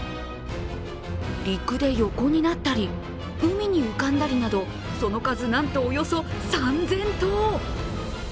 陸で横になったり、海に浮かんだりなど、その数、なんとおよそ３０００頭。